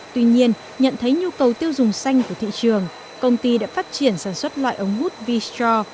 tuy nhiên nhận thấy nhu cầu tiêu dùng xanh của thị trường công ty đã phát triển sản xuất loại ống hút v stra